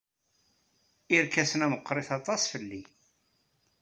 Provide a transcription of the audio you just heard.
Irkasen-a meɣɣrit aṭas fell-i.